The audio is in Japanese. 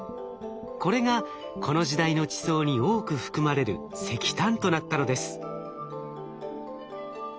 これがこの時代の地層に多く含まれる石炭となったのです。